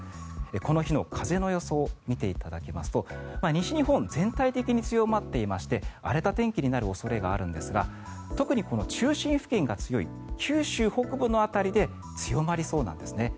この日の風の予想を見ていただきますと西日本全体的に強まっていまして荒れた天気になる恐れがあるんですが特にこの中心付近が強い九州北部の辺りで強まりそうなんですね。